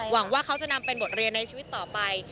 ว่าเขาจะนำเป็นบทเรียนในชีวิตต่อไป